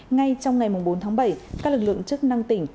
ngay trong ngày bốn tháng bảy các lực lượng chức năng tỉnh